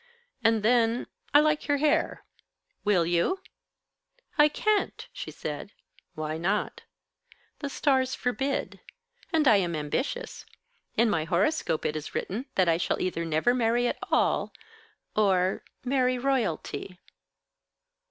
And then, I like your hair. Will you?" "I can't," she said. "Why not?" "The stars forbid. And I'm ambitious. In my horoscope it is written that I shall either never marry at all, or marry royalty."